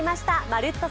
「まるっと！